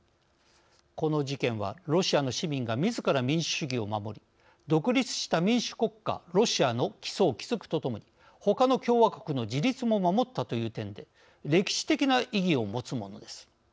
この事件はロシアの市民がみずから民主主義を守り独立した民主国家ロシアの基礎を築くとともにほかの共和国の自立も守ったという点で歴史的な意義を持つものです。